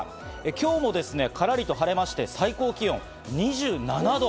今日もからりと晴れまして、最高気温２７度。